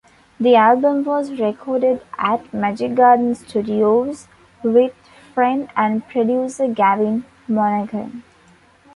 The album was recorded at Magic Garden Studios with friend and producer Gavin Monaghan.